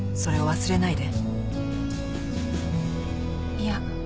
いや。